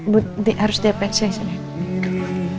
but harus diapet saya sini